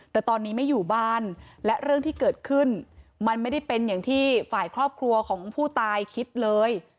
แต่ตอนนี้ไม่อยู่บ้านและเรื่องที่เกิดขึ้นมันไม่ได้เป็นอย่างที่ฝ่ายครอบครัวของผู้ตายคิดเลย